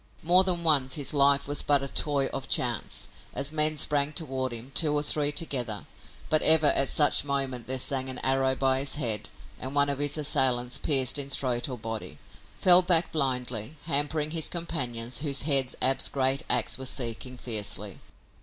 More than once his life was but a toy of chance as men sprang toward him, two or three together, but ever at such moment there sang an arrow by his head and one of his assailants, pierced in throat or body, fell back blindly, hampering his companions, whose heads Ab's great ax was seeking fiercely.